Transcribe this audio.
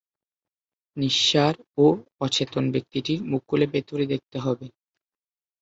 নিঃসাড় ও অচেতন ব্যক্তিটির মুখ খুলে ভেতরে দেখতে হবে।